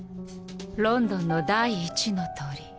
ロンドンの第一の鳥。